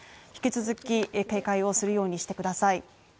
引き続き警戒をするようにしてください。